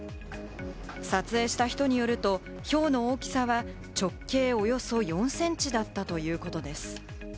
撮影した人によると、ひょうの大きさは直径およそ４センチだったということです。